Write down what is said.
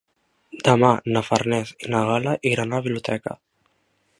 Demà na Farners i na Gal·la iran a la biblioteca.